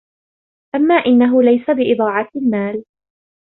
أَمَا إنَّهُ لَيْسَ بِإِضَاعَةِ الْمَالِ